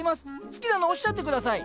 好きなのおっしゃって下さい。